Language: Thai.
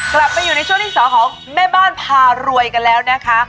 กลับไปอยู่ในช่วงที่สองของแม่บ้านพารวยกันแล้วนะคะ